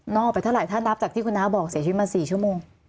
ออกไปเท่าไหร่ถ้านับจากที่คุณน้าบอกเสียชีวิตมา๔ชั่วโมง